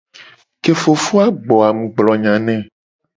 Ke ye fofo a gbo a mu gblo nya ne.